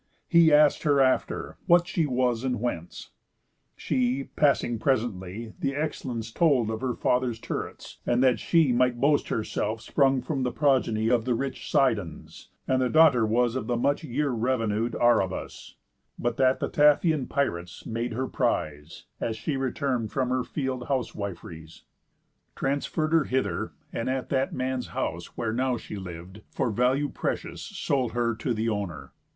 He ask'd her after, what she was, and whence? She, passing presently, the excellence Told of her father's turrets, and that she Might boast herself sprung from the progeny Of the rich Sidons, and the daughter was Of the much year revénued Arybas; But that the Taphian pirates made her prise, As she return'd from her field housewif'ries, Transferr'd her hither, and, at that man's house Where now she liv'd, for value precious Sold her to th' owner.